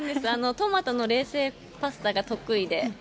トマトの冷製パスタが得意で。